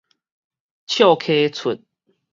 笑詼齣